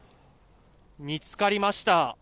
見つかりました。